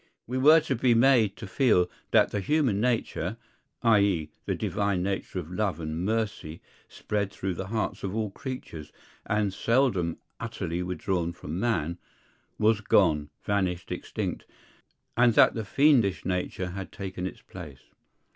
We were to be made to feel that the human nature, i.e., the divine nature of love and mercy, spread through the hearts of all creatures, and seldom utterly withdrawn from man, was gone, vanished, extinct; and that the fiendish nature had taken its place.